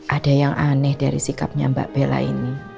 ada yang aneh dari sikapnya mbak bella ini